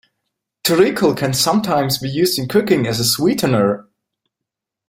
Treacle can sometimes be used in cooking as a sweetener